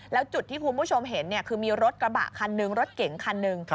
แล้วจุดที่คุณผู้ชมเห็นคือมีรถกระบะคันนึงรถเก๋งคันหนึ่ง